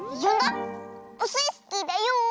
オスイスキーだよ！